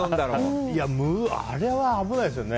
あれは危ないですよね。